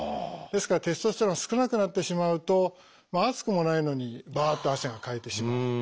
ですからテストステロン少なくなってしまうと暑くもないのにバッと汗をかいてしまう。